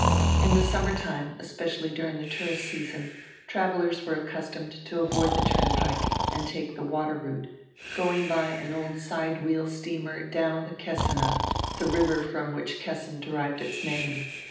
In die summer time, especially during die tourist season, travelers were accustomed to avoid die turnpike and take die water route, going by an old sidewheel steamer down die Kessine, die river from which Kessin derived its name.